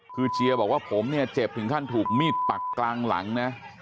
คือเจียบอกว่าผมเนี่ยเจ็บถึงขั้นถูกมีดปักกลางหลังนะ